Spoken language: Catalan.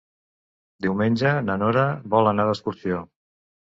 Diumenge na Nora vol anar d'excursió.